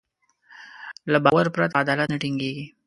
له باور پرته عدالت نه ټينګېږي.